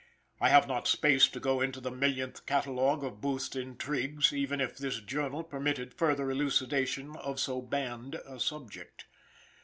I have not space to go into the millionth catalogue of Booth's intrigues, even if this journal permitted further elucidation of so banned a subject.